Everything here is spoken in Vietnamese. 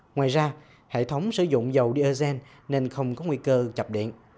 ngoài ra hệ thống sử dụng dầu diê xen nên không có nguy cơ chập điện